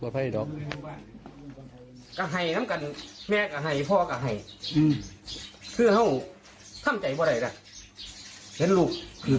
เป็นภาพลู่ที่นี้เนอะ